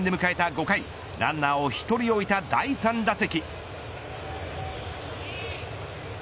５回ランナーを１人置いた第３打席。